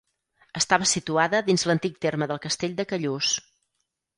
Estava situada dins l'antic terme del castell de Callús.